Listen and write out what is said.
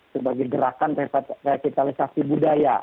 sebagai gerakan revitalisasi budaya